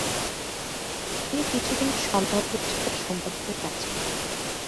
তিনি কিছুদিন "সন্ধ্যা" পত্রিকার সম্পাদকের কাজ করেন।